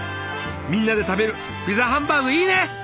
みんなで食べるピザハンバーグいいね！